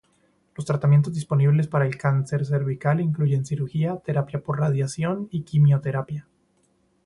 Los tratamientos disponibles para el cáncer cervical incluyen cirugía, terapia por radiación y quimioterapia.